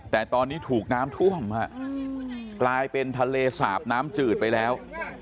แต่ตอนนี้ถูกน้ำท่วมฮะกลายเป็นทะเลสาบน้ำจืดไปแล้ว